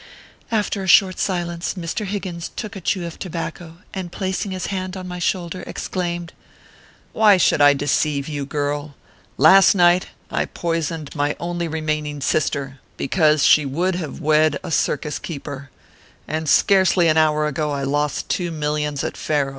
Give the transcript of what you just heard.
After a short silence, Mr. Higgins took a chew of tobacco, and placing his hand on my shoulder, ex claimed :" Why should I deceive you, girl ? Last night I poisoned my only remaining sister because she would have wed a circus keeper, and scarcely an hour ago I lost two millions at faro.